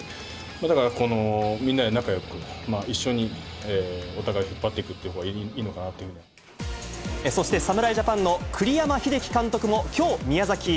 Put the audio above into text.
だからこの、みんなで仲よく、一緒にお互い引っ張っていくってそして、侍ジャパンの栗山英樹監督もきょう、宮崎入り。